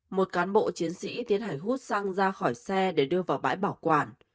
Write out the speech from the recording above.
một cán bộ chiến sĩ tiến hành hút xăng ra khỏi xe để đưa vào bãi bảo quản